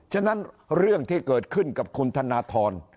ฉะนั้นเรื่องที่เกิดขึ้นกับคุณธนทร